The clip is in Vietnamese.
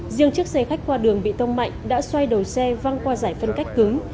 riêng chiếc xe khách qua đường bị tông mạnh đã xoay đầu xe văng qua giải phân cách cứng